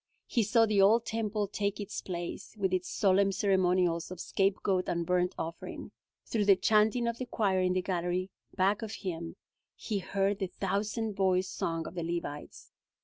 He saw the old Temple take its place, with its solemn ceremonials of scapegoat and burnt offering. Through the chanting of the choir in the gallery back of him he heard the thousand voiced song of the Levites.